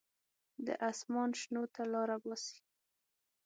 د اسمان شنو ته لاره باسي.